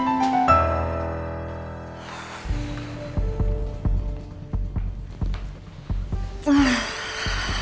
di setiap morbiditas